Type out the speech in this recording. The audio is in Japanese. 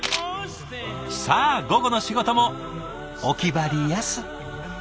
さあ午後の仕事もお気張りやす。